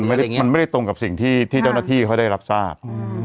มันไม่ได้ตรงกับสิ่งที่เจ้าหน้าที่เขาได้รับทราบ